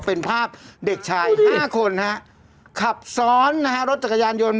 เป็นภาพเด็กชายห้าคนฮะขับซ้อนนะฮะรถจักรยานยนต์